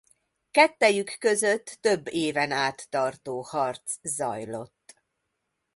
Kettejük között több éven át tartó harc zajlott.